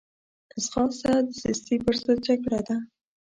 ځغاسته د سستي پر ضد جګړه ده